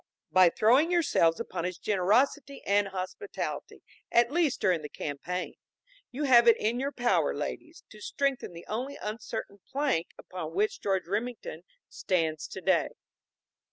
"By throwing yourselves upon his generosity and hospitality, at least during the campaign. You have it in your power, ladies, to strengthen the only uncertain plank upon which George Remington stands today."